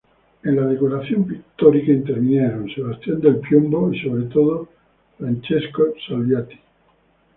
En la decoración pictórica intervinieron Sebastiano del Piombo y, sobre todo, Francesco Salviati.